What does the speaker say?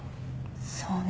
そうね。